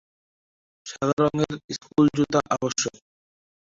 সাদা রঙের স্কুল জুতা আবশ্যক।